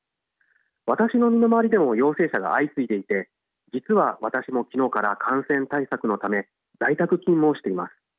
私の身の回りでも陽性者が相次いでいて実は私も昨日から感染対策のため在宅勤務をしています。